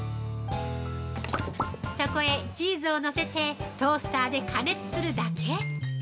◆そこへチーズをのせてトースターで加熱するだけ。